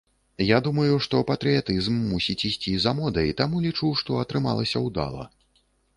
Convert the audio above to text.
Я думаю, што патрыятызм мусіць ісці за модай, таму лічу, што атрымалася ўдала.